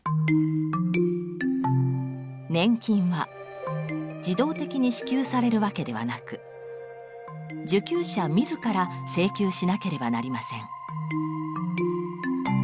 年金は自動的に支給されるわけではなく受給者自ら請求しなければなりません。